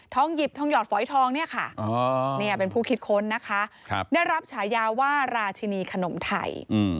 หยิบทองหยอดฝอยทองเนี่ยค่ะเป็นผู้คิดค้นนะคะได้รับฉายาว่าราชินีขนมไทย